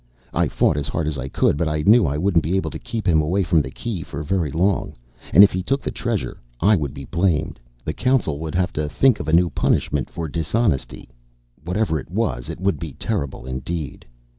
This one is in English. I fought as hard as I could, but I knew I wouldn't be able to keep him away from the Key for very long. And if he took the Treasure, I would be blamed. The council would have to think a new punishment for dishonesty. Whatever it was, it would be terrible, indeed.